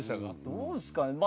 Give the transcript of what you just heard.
どうですかね？